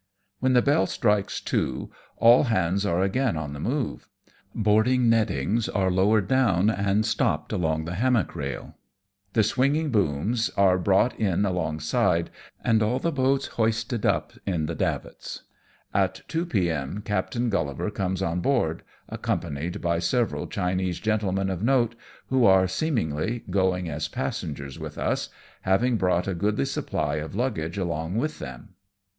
When the bell strikes two, all hands are again on the move. Boarding nettings are lowered down, and stopped along the hammock rail. The swinging booms B 2 4 AMONG TYPHOONS AND PIRATE CRAFT. are brought in alongside^ and all the boats hoisted up in the davits. At 2 p.m. Captain GuUivar comes on board, accompanied by several Chinese gentlemen of note, who are, seemingly, going as passengers with us, having brought a goodly supply of luggage along with them.